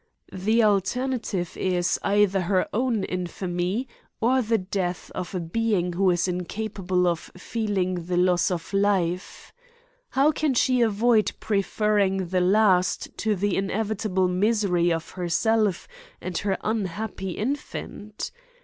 The ahei na tive is, either her own infamy, or the death of a being who is incapable of feeling the loss of life. How can she avoid preferring the last to the ine vitable misery of herself and her unhappy infant